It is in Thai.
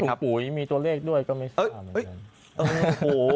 ทำไมชายทุกผมก้มมีตัวเลขด้วยก็ไม่รู้